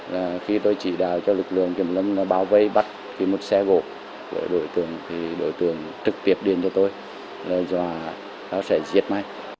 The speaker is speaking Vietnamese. là do đánh và chém